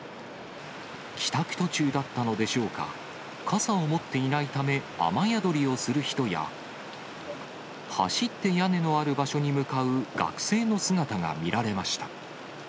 帰宅途中だったのでしょうか、傘を持っていないため、雨宿りをする人や、走って屋根のある場所に向かう学生の姿が見られました。